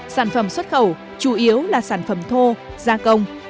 sản phẩm xuất khẩu chủ yếu là sản phẩm thô gia công